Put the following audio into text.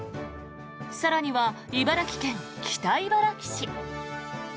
更には、茨城県北茨城市。